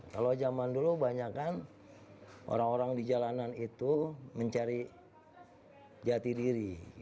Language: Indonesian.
kalau zaman dulu banyak kan orang orang di jalanan itu mencari jati diri